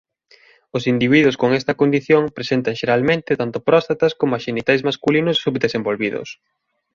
Os individuos con esta condición presentan xeralmente tanto próstatas coma xenitais masculinos subdesenvolvidos.